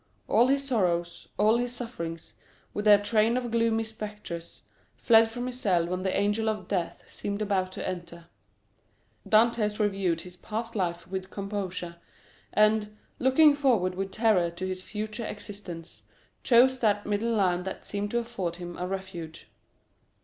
All his sorrows, all his sufferings, with their train of gloomy spectres, fled from his cell when the angel of death seemed about to enter. Dantès reviewed his past life with composure, and, looking forward with terror to his future existence, chose that middle line that seemed to afford him a refuge.